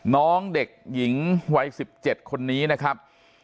น้องเด็กหญิงวัย๑๗คนนี้นะครับ